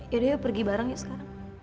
ya udah ya pergi bareng ya sekarang